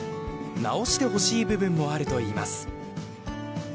直してほしい部分もあるといいます。